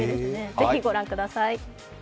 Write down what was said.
ぜひご覧ください。